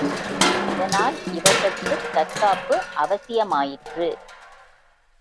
இதனால் இவர்கட்குத் தற்காப்பு அவசியமாயிற்று.